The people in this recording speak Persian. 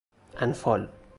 اَنفال